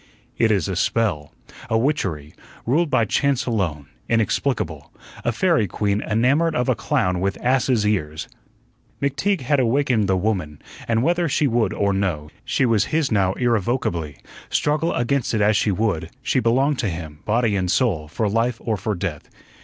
It is a spell, a witchery, ruled by chance alone, inexplicable a fairy queen enamored of a clown with ass's ears. McTeague had awakened the Woman, and, whether she would or no, she was his now irrevocably; struggle against it as she would, she belonged to him, body and soul, for life or for death.